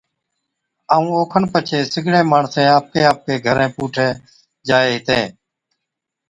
ائُون اوکن پڇي سِگڙين ماڻسين آپڪي آپڪي گھرين پُوٺي جائي ھِتين